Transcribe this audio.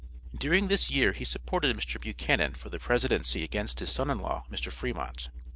During this year he supported Mr. Buchanan for the presidency against his son in law, Mr. Fremont.